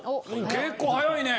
結構早いね。